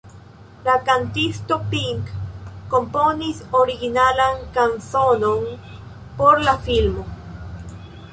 La kantisto Pink komponis originalan kanzonon por la filmo.